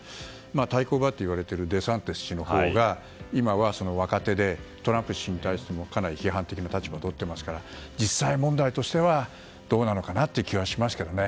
対抗馬といわれているデサンティス氏のほうが今は若手でトランプ氏に対してもかなり批判的な立場をとっていますから実際問題としてはどうなのかなという気はしますけどね。